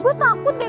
gue takut ya